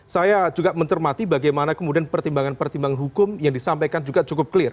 saya juga mencermati bagaimana kemudian pertimbangan pertimbangan hukum yang disampaikan juga cukup clear